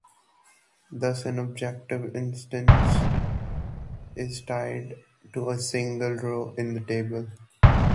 Thus, an object instance is tied to a single row in the table.